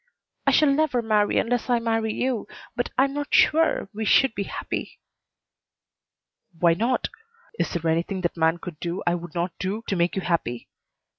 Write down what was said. "I shall never marry unless I marry you but I am not sure we should be happy." "Why not? Is there anything that man could do I would not do to make you happy?